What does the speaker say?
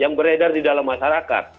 yang beredar di dalam masyarakat